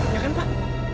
ya kan pak